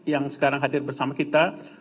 yang sekarang hadir bersama kita